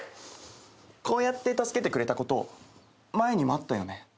こうやって助けてくれたこと前にもあったよね？